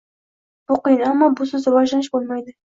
Bu qiyin, ammo busiz rivojlanish bo‘lmaydi.